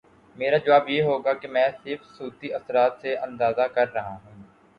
میرا جواب یہ ہو گا کہ میں صرف صوتی اثرات سے اندازہ کر رہا ہوں۔